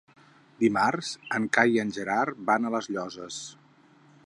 Dimarts en Cai i en Gerard van a les Llosses.